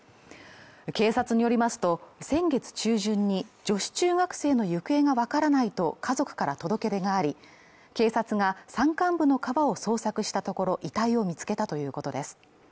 警察によりますと先月中旬に女子中学生の行方が分からないと家族から届け出があり警察が山間部の川を捜索したところ遺体を見つけたということです